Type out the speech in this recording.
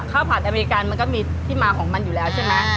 ผัดอเมริกันมันก็มีที่มาของมันอยู่แล้วใช่ไหม